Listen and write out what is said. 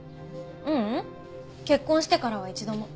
ううん。結婚してからは一度も。